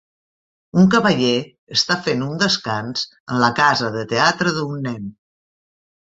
Un cavaller està fent un descans en la casa de teatre d'un nen.